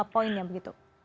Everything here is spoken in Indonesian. poin yang begitu